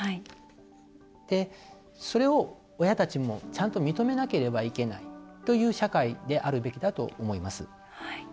それを親たちも、ちゃんと認めなければいけないという社会であるべきだと思います。